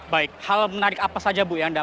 baik hal menarik apa saja bu yang dapat anda